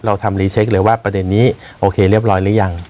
เราทำรีเช็คเลยว่าประเด็นนี้โอเคเรียบร้อยหรือยัง